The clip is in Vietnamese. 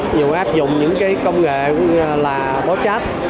nhiều áp dụng những cái công nghệ là bó chát